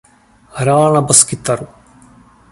Hrál na baskytaru.